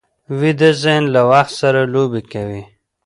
ویده ذهن له وخت سره لوبې کوي